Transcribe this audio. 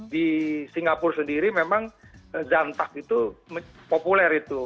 di singapura sendiri memang zantak itu populer itu